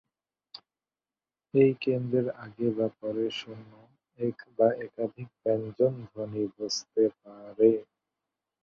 এই কেন্দ্রের আগে বা পরে শূন্য, এক বা একাধিক ব্যঞ্জনধ্বনি বসতে পারে।